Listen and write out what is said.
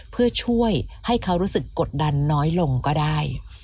เพื่อช่วยให้เขารู้สึกกดดันน้อยลงก็ได้